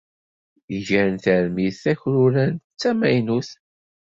Gan tarmit takrurant d tamaynut.